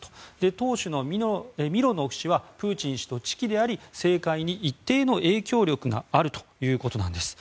党首のミロノフ氏はプーチン氏と知己であり政界に一定の影響力があるということなんです。